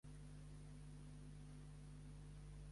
La mitologia de Dione no és coherent entre les fonts existents.